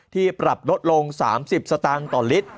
ที่ปรับลดลง๓๐สตางค์ต่อลิตร